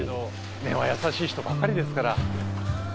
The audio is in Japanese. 根は優しい人ばっかりですから。